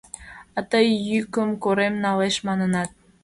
— А тый, йӱкым корем налеш, манынат.